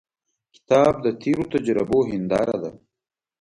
کتاب د تیرو تجربو هنداره ده.